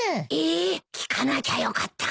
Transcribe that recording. え聞かなきゃよかった。